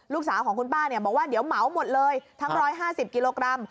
ลูกสาวของคุณป้าบอกว่าเดี๋ยวเหมาหมดเลยทั้ง๑๕๐กิโลกรัม